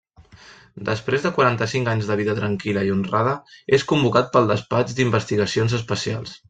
Després de quaranta-cinc anys de vida tranquil·la i honrada, és convocat pel despatx d'investigacions especials.